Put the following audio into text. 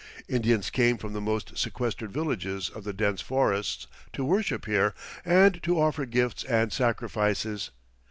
Indians came from the most sequestered villages of the dense forests to worship here and to offer gifts and sacrifices.